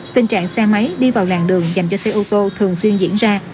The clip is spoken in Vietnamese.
tình trạng xe máy đi vào làng đường dành cho xe ô tô thường xuyên diễn ra